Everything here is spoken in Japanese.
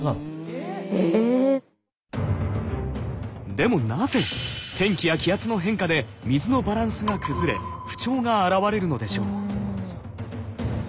でもなぜ天気や気圧の変化で水のバランスが崩れ不調が現れるのでしょう。